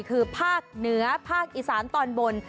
คือภาคเหนือภาคอีสานตอนบน